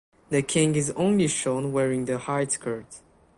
The king is only shown wearing the hide skirt.